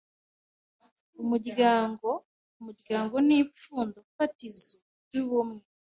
U m urya n g o Umuryango ni ipfundo fatizo ry’ubumwe